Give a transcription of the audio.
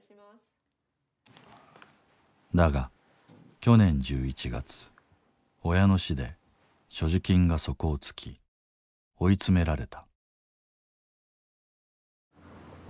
だが去年１１月親の死で所持金が底をつき追い詰められた。